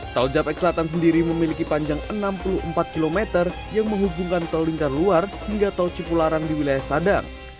tol japek selatan sendiri memiliki panjang enam puluh empat km yang menghubungkan tol lingkar luar hingga tol cipularang di wilayah sadang